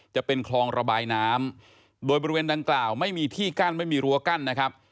จะเป็นคลองระบายน้ำโดยบริเวณดังกล่าวไม่มีที่กั้นไม่มีรั้วกั้นนะครับ